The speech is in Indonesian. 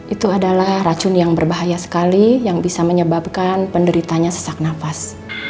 itu adalah racun yang berbahaya sekali yang bisa menyebabkan penderitanya sesak nafas